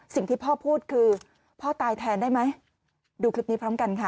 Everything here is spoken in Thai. สิ่งที่พ่อพูดคือพ่อตายแทนได้ไหมดูคลิปนี้พร้อมกันค่ะ